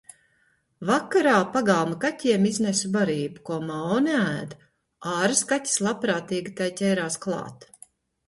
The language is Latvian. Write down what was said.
Vakarā pagalma kaķiem iznesu barību, ko Mao neēd. Āras kaķis labprātīgi tai ķērās klāt.